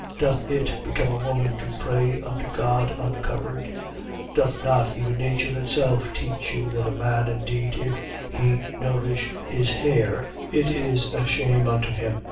Doth it become a woman to pray unto God uncovered? 11:14. Doth not even nature itself teach you that a man indeed, if he nourish his hair, it is a shame unto him?